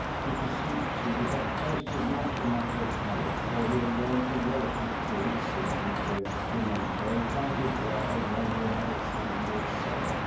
He perceived, too, that taste is much a matter of habit, for he had grown to relish his food seasoned with 349 MY BOOK HOUSE pimento quite as well as when he had it seasoned with salt.